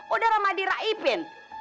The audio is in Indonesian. udah ramadi raipin